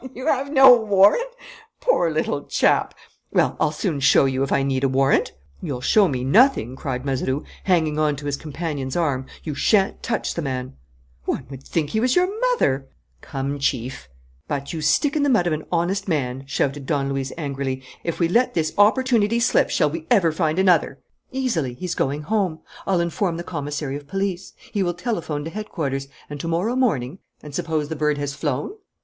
"You have no warrant? Poor little chap! Well, I'll soon show you if I need a warrant!" "You'll show me nothing," cried Mazeroux, hanging on to his companion's arm. "You shan't touch the man." "One would think he was your mother!" "Come, Chief." "But, you stick in the mud of an honest man," shouted Don Luis, angrily, "if we let this opportunity slip shall we ever find another?" "Easily. He's going home. I'll inform the commissary of police. He will telephone to headquarters; and to morrow morning " "And suppose the bird has flown?"